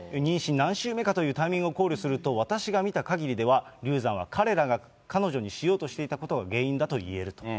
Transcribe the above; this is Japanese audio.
何週目かというタイミングを考慮すると、私が見たかぎりでは、流産は彼らが彼女にしようとしていたことが原因だと言えると。